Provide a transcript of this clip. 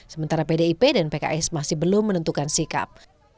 sementara pdip dan pks masih belum menentukan sikap